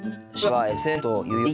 はい。